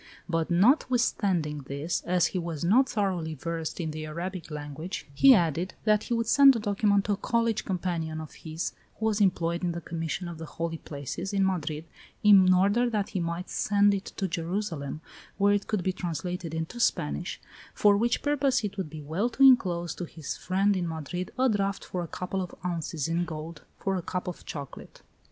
But notwithstanding this, as he was not thoroughly versed in the Arabic language, he added that he would send the document to a college companion of his who was employed in the Commission of the Holy Places, in Madrid, in order that he might send it to Jerusalem, where it could be translated into Spanish, for which purpose it would be well to inclose to his friend in Madrid a draft for a couple of ounces in gold, for a cup of chocolate.